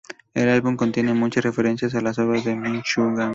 El álbum contiene muchas referencias a las obras de Meshuggah.